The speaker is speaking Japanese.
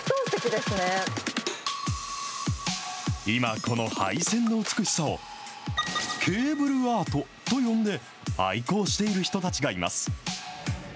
今、この配線の美しさをケーブルアートと呼んで、愛好している人たちがいます。